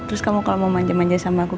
terus kamu kalau mau manja manja sama aku